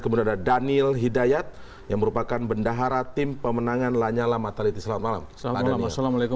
kemudian ada daniel hidayat yang merupakan bendahara tim pemenangan lanyala mataliti selamat malam pak daniel